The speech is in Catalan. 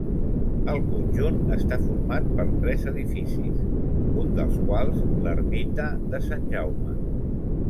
El conjunt està format per tres edificis, un dels quals l'ermita de Sant Jaume.